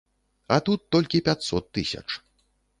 А тут толькі пяцьсот тысяч.